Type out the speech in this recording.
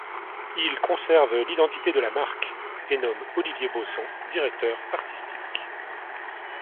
Il conserve l’identité de la marque et nomme Olivier Baussan directeur artistique.